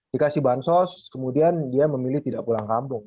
dikasih bansos kemudian dia memilih tidak pulang kampung